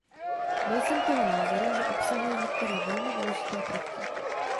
Byl jsem toho názoru, že obsahuje některé velmi důležité prvky.